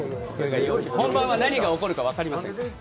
本番は何が起こるか分かりません。